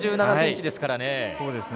１８７ｃｍですからね。